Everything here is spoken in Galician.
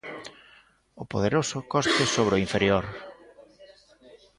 O poderoso cospe sobre o inferior.